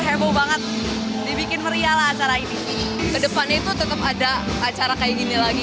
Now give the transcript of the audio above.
heboh banget dibikin meriah lah acara ini kedepannya itu tetap ada acara kayak gini lagi